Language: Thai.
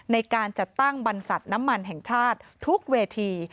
ในการจัดตั้งบรรษัทน้ำมันแห่งชาติทุกเวที